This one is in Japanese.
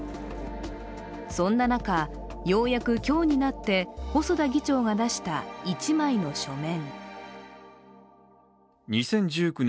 そんな中、ようやく今日になって細田議長が出した１枚の書面。